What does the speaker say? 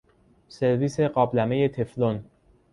سرویس قابلمه تفلون